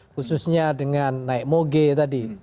khususnya dengan naik moge tadi